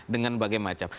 dengan bagai macam